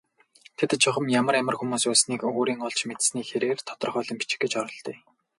Тэд чухам ямар ямар хүмүүс байсныг өөрийн олж мэдсэний хэрээр тодорхойлон бичих гэж оролдъё.